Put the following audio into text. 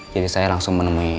jadi saya langsung menemui